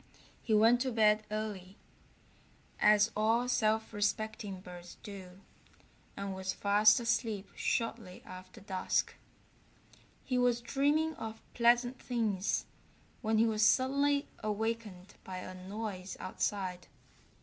He went to bed early, as all self respecting birds do, and was fast asleep shortly after dusk. He was dreaming of pleasant things when he was suddenly awakened by a noise outside.